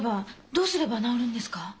どうすれば治るんですか？